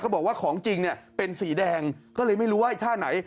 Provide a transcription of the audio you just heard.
บอกว่าของจริงเนี่ยเป็นสีแดงก็เลยไม่รู้ว่าไอ้ท่าไหน